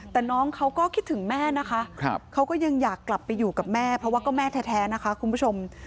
แต่น้องเขาก็คิดถึงแม่นะคะเขาก็ยังอยากกลับไปอยู่กับแม่เพราะว่าก็แม่แท้นะคะคุณผู้ชม